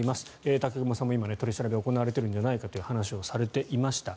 武隈さんも今、取り調べが行われているんじゃないかという話をされていました。